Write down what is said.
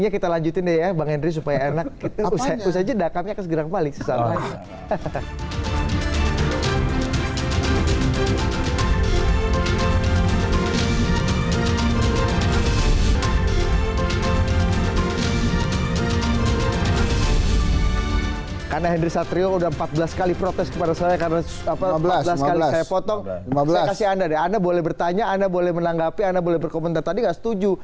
kasih anda deh anda boleh bertanya anda boleh menanggapi anda boleh berkomentar tadi gak setuju